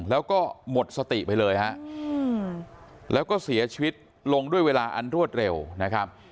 แล้วก็หมดสติไปเลยฮะแล้วก็เสียชีวิตลงด้วยเวลาอันรวดเร็วนะครับ